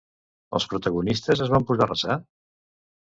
Els protagonistes es van posar a resar?